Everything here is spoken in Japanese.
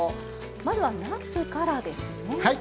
まずは、なすからですね。